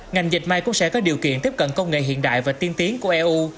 ngành dịch may cũng sẽ có điều kiện tiếp cận công nghệ hiện đại và tiên tiến của eu